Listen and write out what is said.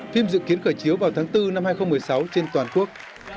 phim dự kiến khởi chiếu vào tháng bốn năm hai nghìn một mươi sáu trên toàn quốc